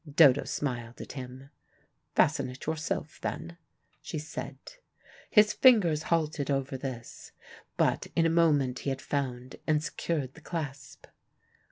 Dodo smiled at him. "Fasten it yourself, then," she said. His fingers halted over this, but in a moment he had found and secured the clasp.